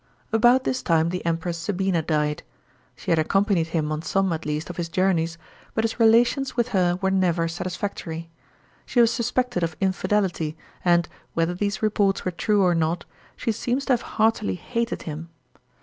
About this time the Empress Sabina died. She had accompanied him on some at least of his journeys, but his relations with her were never satisfactory. She was suspected of infidelity, and, whether these reports were true or not, she seems to have heartily hated him.